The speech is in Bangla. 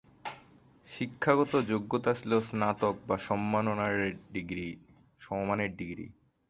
শিক্ষাগত যোগ্যতা ছিল স্নাতক বা সমমানের ডিগ্রি।